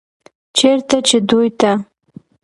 چرته چې دوي ته